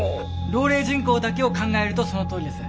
老齢人口だけを考えるとそのとおりです。